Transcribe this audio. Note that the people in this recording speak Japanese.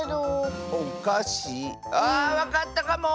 あわかったかも！